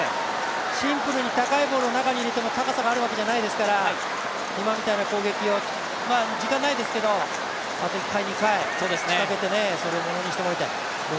シンプルに高いボールを中に入れても、高さがあるわけじゃないですから、今みたいな攻撃を、時間ないですけど、あと１回、２回仕掛けてものにしてもらいたい。